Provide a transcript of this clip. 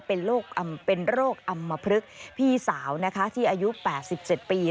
เป็นโรคอำมพลึกพี่สาวนะคะที่อายุ๘๗ปี